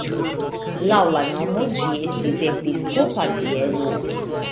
Laŭ la nomo ĝi estis episkopa bieno.